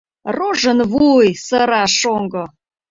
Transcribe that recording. Рожын вуй!.. — сыра шоҥго.